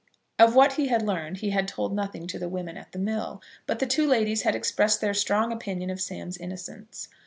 Of what he had learned he had told nothing to the women at the mill, but the two ladies had expressed their strong opinion of Sam's innocence.